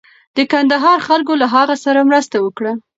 د کندهار خلکو له هغه سره مرسته وکړه.